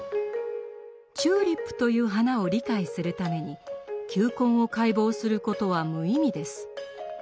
チューリップという花を理解するために球根を解剖することは無意味です。